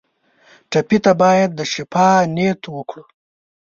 ټپي ته باید د شفا نیت وکړو.